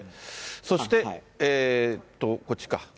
そしてこっちか。